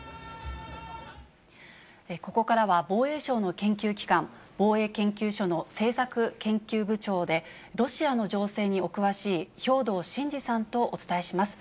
ここからは防衛省の研究機関、防衛研究所の政策研究部長で、ロシアの情勢にお詳しい兵頭慎治さんとお伝えします。